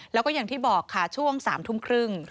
แล้วก็อย่างที่บอกค่ะช่วง๓ทุ่มครึ่ง